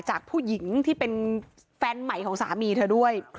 จากผู้หญิงที่เป็นแฟนใหม่ของสามีเธอด้วย